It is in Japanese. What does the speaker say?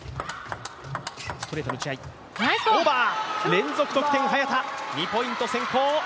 連続得点、早田、２ポイント先行。